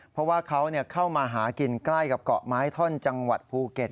เพราะว่าเขาเข้ามาหากินใกล้กับเกาะไม้ท่อนจังหวัดภูเก็ต